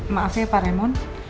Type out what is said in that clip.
maaf ya pak remon